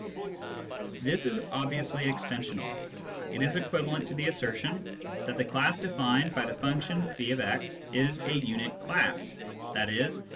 This is obviously extensional. It is equivalent to the assertion that the class defined by the function <f>x is a unit class, i.e.